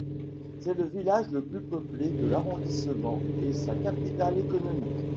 C'est le village le plus peuplé de l'arrondissement et sa capitale économique.